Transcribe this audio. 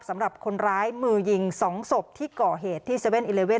สำหรับคนร้ายมือหญิงสองศพที่ก่อเหตุที่เซเว่นเอเลเว่น